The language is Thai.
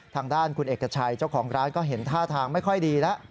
ทางด้านคุณเอกชัยเจ้าของร้านก็เห็นท่าทางไม่ค่อยดีแล้ว